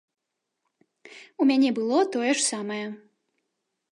У мяне было тое ж самае.